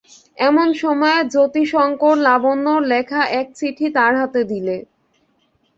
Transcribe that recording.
এমন সময় যতিশংকর লাবণ্যর লেখা এক চিঠি তার হাতে দিলে।